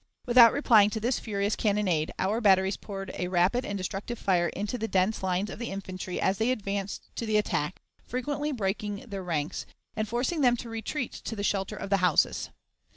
Without replying to this furious cannonade, our batteries poured a rapid and destructive fire into the dense lines of the infantry as they advanced to the attack, frequently breaking their ranks, and forcing them to retreat to the shelter of the houses.